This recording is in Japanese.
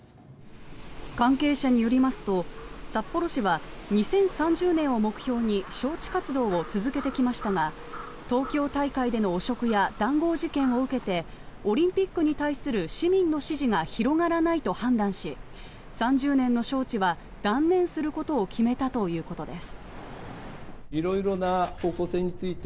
関係者によりますと札幌市は２０３０年を目標に招致活動を続けてきましたが東京大会での汚職や談合事件を受けてオリンピックに対する市民の支持が広がらないと判断し３０年の招致は断念することを決めたということです。